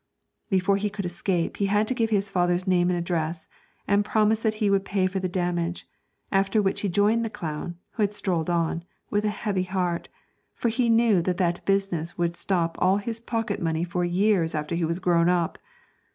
Before he could escape he had to give his father's name and address, and promise that he would pay for the damage, after which he joined the clown (who had strolled on) with a heavy heart, for he knew that that business would stop all his pocket money for years after he was grown up!